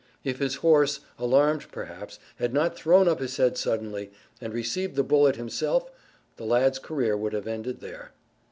If his horse, alarmed perhaps, had not thrown up his head suddenly, and received the bullet himself the lad's career would have ended there.